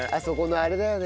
あれだね。